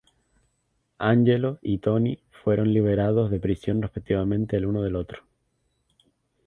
Angelo y Tony fueron liberados de prisión respectivamente el uno del otro.